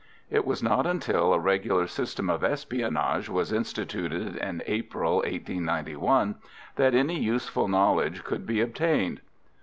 It was not until a regular system of espionage was instituted in April, 1891, that any useful knowledge could be obtained.